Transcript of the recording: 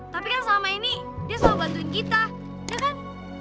tapi kan selama ini dia selalu bantuin kita ya kan